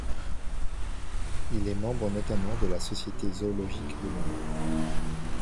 Il est membre notamment de la Société zoologique de Londres.